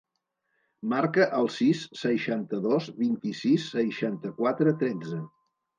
Marca el sis, seixanta-dos, vint-i-sis, seixanta-quatre, tretze.